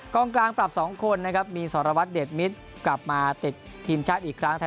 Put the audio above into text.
กองกลางปรับสองคนมีศรวระวัดเดสโมส์กลับมาติดธินชาติอีกครั้ง